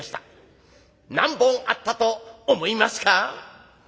何本あったと思いますか？」。